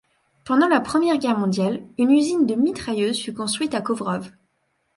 Pendant la Première Guerre mondiale, une usine de mitrailleuses fut construite à Kovrov.